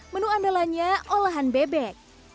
menu andalanya olahan bebek